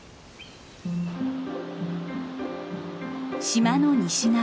島の西側。